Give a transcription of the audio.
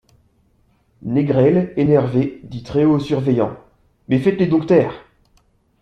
Négrel, énervé, dit très haut aux surveillants: — Mais faites-les donc taire!